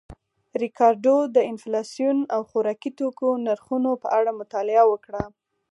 ریکارډو د انفلاسیون او خوراکي توکو نرخونو په اړه مطالعه وکړه